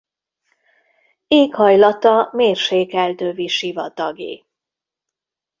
Éghajlata mérsékelt övi sivatagi.